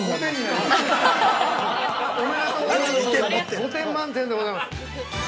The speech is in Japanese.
５点満点でございます。